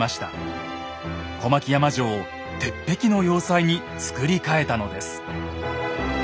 小牧山城を鉄壁の要塞につくり替えたのです。